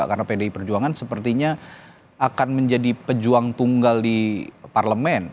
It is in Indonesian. karena pdip perjuangan sepertinya akan menjadi pejuang tunggal di parlemen